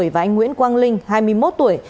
và anh nguyễn quang linh hai mươi một tuổi